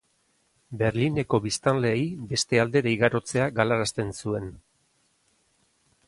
Berlineko biztanleei beste aldera igarotzea galarazten zuen.